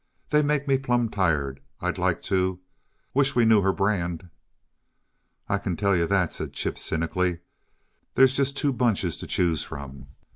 They make me plum tired. I'd like to wish we knew her brand." "I can tell you that," said Chip, cynically. "There's just two bunches to choose from.